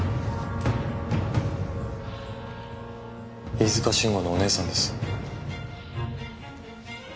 飯塚慎吾のお姉さんです。